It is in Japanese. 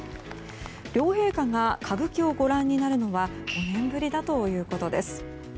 両陛下が歌舞伎をご覧になるのは５年ぶりだということです。